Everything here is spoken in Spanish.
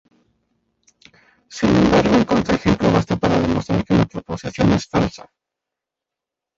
Sin embargo, un contraejemplo basta para demostrar que una proposición es falsa.